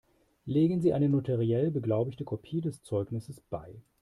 Legen Sie eine notariell beglaubigte Kopie des Zeugnisses bei.